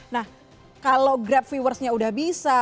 nah kalau grab viewersnya udah bisa